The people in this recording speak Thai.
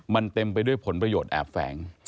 มันเต็มไปด้วยผลประโยชน์แอบแฝง